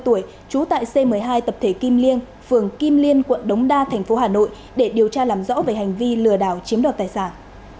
ba mươi tuổi trú tại c một mươi hai tập thể kim liên phường kim liên quận đống đa thành phố hà nội để điều tra làm rõ về hành vi lừa đảo chiếm đoạt tài sản